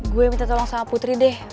gue minta tolong sama putri deh